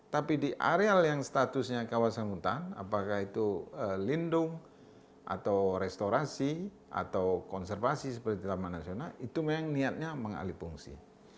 tapi di areal yang statusnya kawasan hutan apakah itu lindung atau restorasi atau konservasi seperti taman nasional itu memang niatnya mengalih fungsi